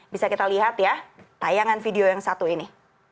bisa kita lihat ya tayangan video yang satu ini